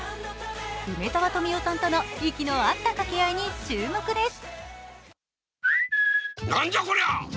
梅沢富美男さんとの息の合った掛け合いに注目です。